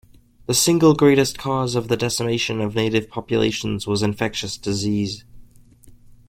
The single greatest cause of the decimation of native populations was infectious disease.